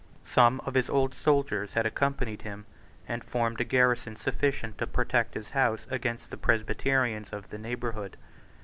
Some of his old soldiers had accompanied him, and formed a garrison sufficient to protect his house against the Presbyterians of the neighbourhood.